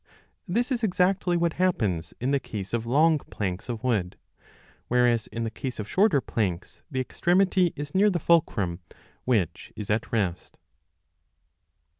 This is exactly what happens in the case of long planks of wood ; whereas in the case of shorter planks, the extremity is near the fulcrum which is at rest.